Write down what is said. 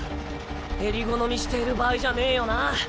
えり好みしている場合じゃねぇよな。